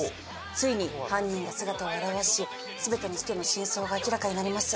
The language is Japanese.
ついに犯人が姿を現し全ての事件の真相が明らかになります。